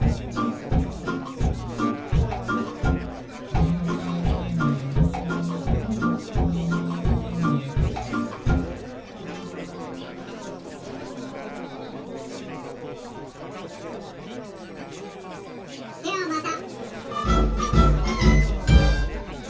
「みえみえみえみえみえないけれど」「みえみえみえみえ」ではまた。